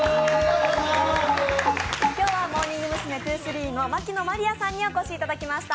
今日はモーニング娘’２３の牧野真莉愛さんにお越しいただきました。